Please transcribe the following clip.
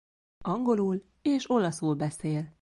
Angolul és olaszul beszél.